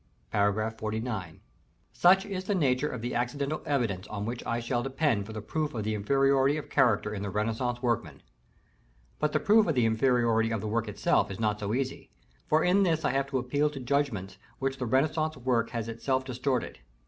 § XLIX. Such is the nature of the accidental evidence on which I shall depend for the proof of the inferiority of character in the Renaissance workmen. But the proof of the inferiority of the work itself is not so easy, for in this I have to appeal to judgments which the Renaissance work has itself distorted.